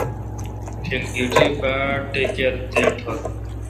کھلکیٹی باڑٹکَِر تے ٹھو°گ ۔